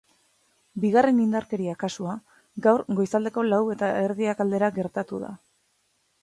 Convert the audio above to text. Bigarren indarkeria kasua gaur goizaldeko lau eta erdiak aldera gertatu da.